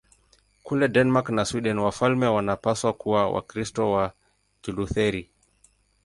Kule Denmark na Sweden wafalme wanapaswa kuwa Wakristo wa Kilutheri.